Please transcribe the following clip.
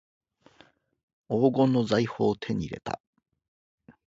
黄金の財宝を手に入れた